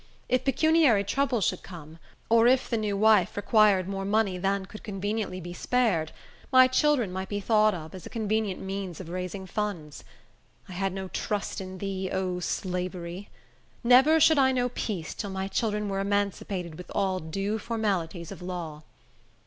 If pecuniary troubles should come, or if the new wife required more money than could conveniently be spared, my children might be thought of as a convenient means of raising funds. I had no trust in thee, O Slavery! Never should I know peace till my children were emancipated with all due formalities of law.